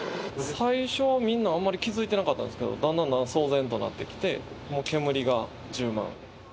最初、みんなあんまり気付いてなかったんですけど、だんだんだんだん騒然となってきて、もう煙が充満。